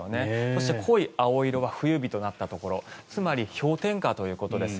そして、濃い青色は冬日となったところつまり氷点下ということです。